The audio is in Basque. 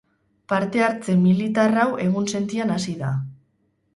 Parte-hartze militarrau egunsentian hasi da.